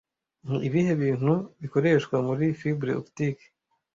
Ni ibihe bintu bikoreshwa muri fibre optique